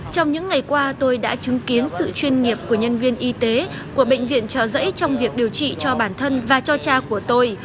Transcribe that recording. trong những ngày qua tôi đã chứng kiến sự chuyên nghiệp của nhân viên y tế của bệnh viện trợ giấy trong việc điều trị cho bản thân và cho cha của tôi